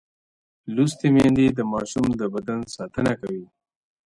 لوستې میندې د ماشوم د بدن ساتنه کوي.